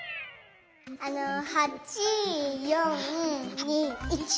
あの８４２１。